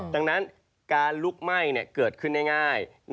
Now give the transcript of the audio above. ดังนั้นการลุกไหม้เกิดขึ้นง่าย